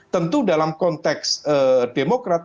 tentu dalam konteks demokrati